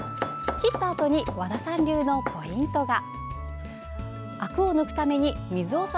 切ったあとに和田さん流のポイントが。